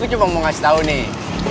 gue cuma mau ngasih tau nih